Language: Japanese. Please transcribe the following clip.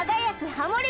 ハモリ